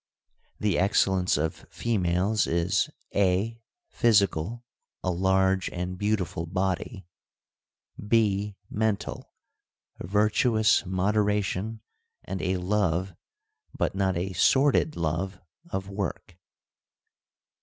\ The excellence of females is (a) physical, a large and beautiful body ; (b) mental, virtuous moderation and a love — but not a sordid love — of work.